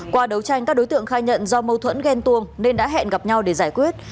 qua đấu tranh các đối tượng khai nhận do mâu thuẫn ghen tuồng nên đã hẹn gặp nhau để giải quyết